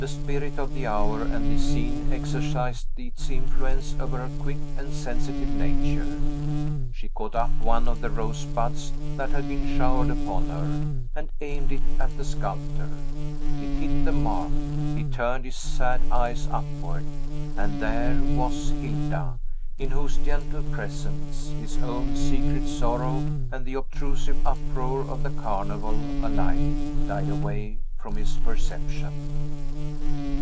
The spirit of the hour and the scene exercised its influence over her quick and sensitive nature; she caught up one of the rosebuds that had been showered upon her, and aimed it at the sculptor; It hit the mark; he turned his sad eyes upward, and there was Hilda, in whose gentle presence his own secret sorrow and the obtrusive uproar of the Carnival alike died away from his perception.